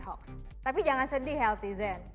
kita harus melakukan